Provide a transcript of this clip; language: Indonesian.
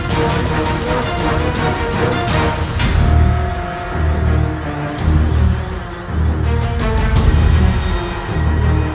tapi instructions di dalamnya